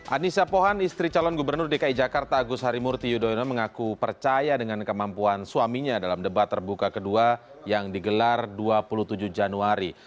anissa pohan istri calon gubernur dki jakarta agus harimurti yudhoyono mengaku percaya dengan kemampuan suaminya dalam debat terbuka kedua yang digelar dua puluh tujuh januari